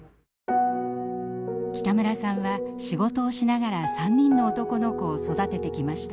北村さんは仕事をしながら３人の男の子を育ててきました。